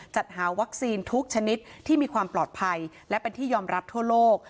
จัดหาวัคซีนทุกชนิดที่มีความปลอดภัยและเป็นที่ยอมรับทั่วโลก